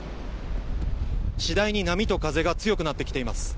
次第に波と風が強くなってきています。